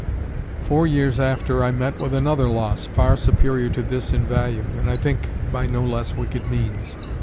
Four years after, I met with another loss, far superior to this in value, and I think by no less wicked means.